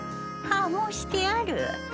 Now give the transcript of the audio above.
はあもうしてある。